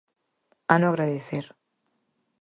Hano agradecer.